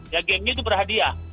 ya gamenya itu berhadiah